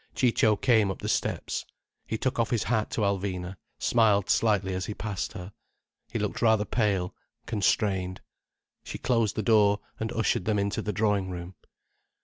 Ciccio came up the steps. He took off his hat to Alvina, smiled slightly as he passed her. He looked rather pale, constrained. She closed the door and ushered them into the drawing room.